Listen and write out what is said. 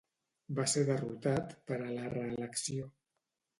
Va ser derrotat per a la reelecció.